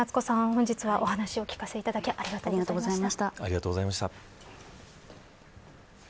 本日はお話を聞かせていただきありがとうございました。